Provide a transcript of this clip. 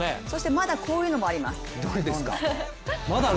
まだ、こういうのもあります